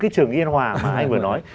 trường yên hòa mà anh vừa nói